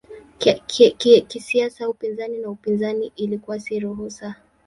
Kisiasa upinzani na upinzani ilikuwa si ruhusa.